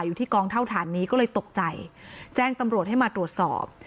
อยู่ที่กองเท่าฐานนี้ก็เลยตกใจแจ้งตำรวจให้มาตรวจสอบ